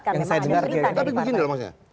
yang saya dengar